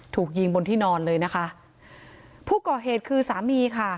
ถูกยิงบนที่นอนเลยนะคะผู้ก่อเหตุคือสามีค่ะ